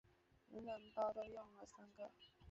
暖暖包都用了三个